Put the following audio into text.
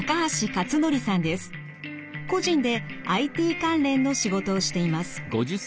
個人でＩＴ関連の仕事をしています。